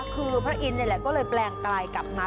คือพระอินทร์นี่แหละก็เลยแปลงไกลกลับมา